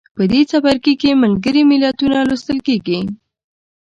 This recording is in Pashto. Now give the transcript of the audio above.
په دې څپرکي کې ملګري ملتونه لوستل کیږي.